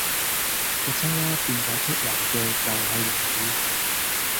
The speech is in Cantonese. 隻青蛙變出嚟嘅又系王子!